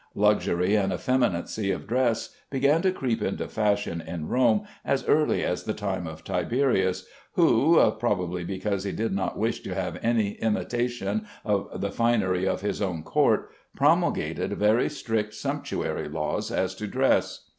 Luxury and effeminacy of dress began to creep into fashion in Rome as early as the time of Tiberius, who (probably because he did not wish to have any imitation of the finery of his own court) promulgated very strict sumptuary laws as to dress.